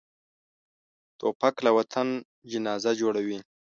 توپک له وطن جنازه جوړوي.